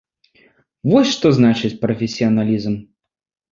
Вось што значыць прафесіяналізм.